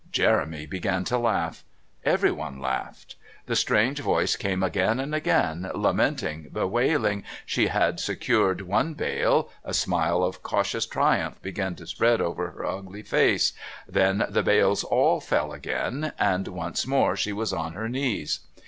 Jeremy began to laugh everyone laughed; the strange voice came again and again, lamenting, bewailing, she had secured one bale, a smile of cautious triumph began to spread over her ugly face, then the bales all fell again, and once more she was on her knees.